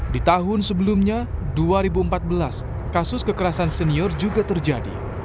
di tahun sebelumnya dua ribu empat belas kasus kekerasan senior juga terjadi